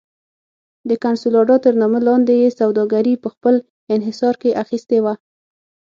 د کنسولاډا تر نامه لاندې یې سوداګري په خپل انحصار کې اخیستې وه.